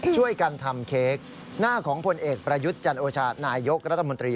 ช่วยกันทำเค้กหน้าของผลเอกประยุทธ์จันโอชานายกรัฐมนตรี